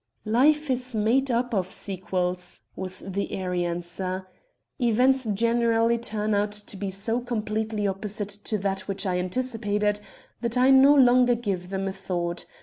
"'Life is made up of sequels,' was the airy answer. 'Events generally turn out to be so completely opposite to that which I anticipated that I no longer give them a thought.